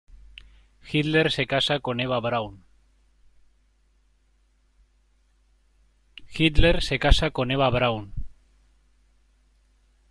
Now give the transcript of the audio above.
Hitler se casa con Eva Braun.